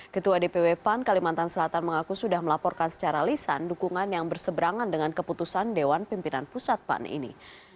ketua dpw pan kalimantan selatan mengaku sudah melaporkan secara lisan dukungan yang berseberangan dengan keputusan dewan pimpinan pusat pan ini